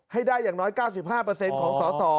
ให้ได้อย่างน้อย๙๕ของสส